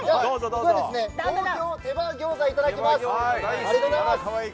僕は東京手羽餃子いただきます。